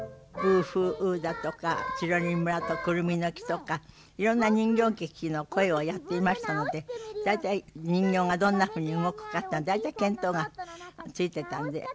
「ブーフーウー」だとか「チロリン村とクルミの木」とかいろんな人形劇の声をやっていましたので大体人形がどんなふうに動くかってのは大体見当がついてたんで